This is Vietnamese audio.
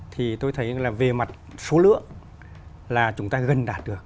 thì tôi thấy là về mặt số lượng là chúng ta gần đạt được